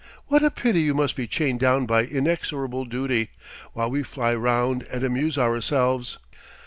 "What a pity you must be chained down by inexorable duty, while we fly round and amuse ourselves."